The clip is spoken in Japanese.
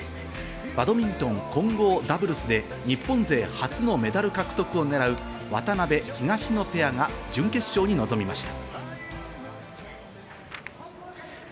バドミントン混合ダブルスで日本勢初のメダル獲得をねらう渡辺・東野ペアが準決勝に臨みました。